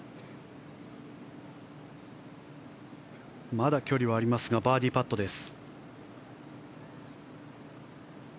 まだ距離はありますがバーディーパットです。